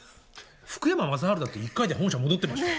福山雅治だって１回で本社戻ってましたよ。